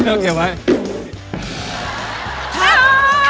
ข้างไหน